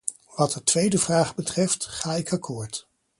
Wat de tweede vraag betreft, ga ik akkoord.